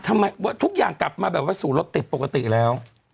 ทุกอย่างกลับมาแบบว่าสู่รถติดปกติแล้ว